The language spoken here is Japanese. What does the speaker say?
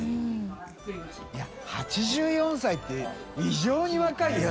い８４歳って異常に若いよ。